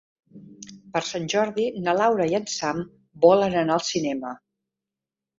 Per Sant Jordi na Laura i en Sam volen anar al cinema.